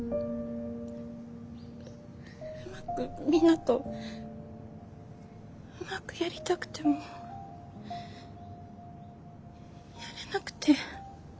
うまくみんなとうまくやりたくてもやれなくて。